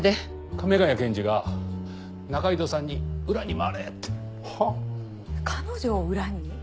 亀ヶ谷検事が仲井戸さんに「裏に回れ！」って。はあ？彼女を裏に？